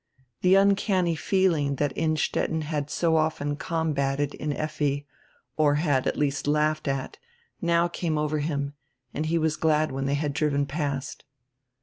The uncanny feeling diat Innstetten had so often combatted in Effi, or had at least laughed at, now came over him, and he was glad when they had driven past.